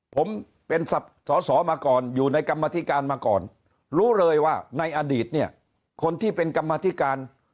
ผมเป็นสอสอมาก่อนอยู่ในกรรมธิการมาก่อนรู้เลยว่าในอดีตเนี่ยคนที่เป็นกรรมธิการ